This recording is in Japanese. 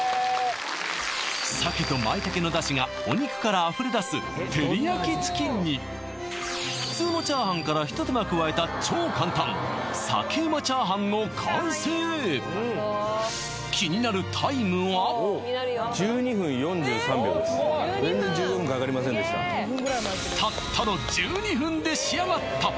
鮭と舞茸のダシがお肉からあふれ出す照り焼きチキンに普通のチャーハンから一手間加えた超簡単の完成全然１５分かかりませんでしたたったの１２分で仕上がった！